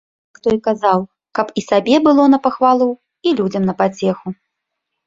Трэба, як той казаў, каб і сабе было на пахвалу, і людзям на пацеху.